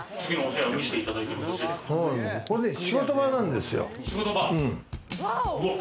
ここね、仕事場なんですよ。